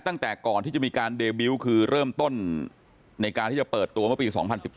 ตั้งแต่ก่อนที่จะมีการเดบิวต์คือเริ่มต้นในการที่จะเปิดตัวเมื่อปี๒๐๑๔